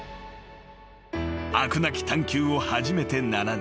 ［飽くなき探求を始めて７年］